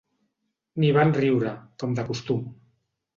Ni van riure, com de costum